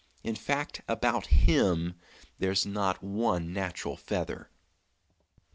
In fact, about him there's not one natural feather."